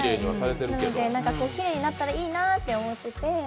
きれいになったらいいなって思ってて。